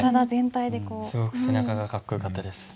すごく背中がかっこよかったです。